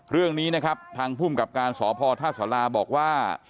เรื่องนี้นะครับทางภูมิกับการสพท่าสาราบอกว่า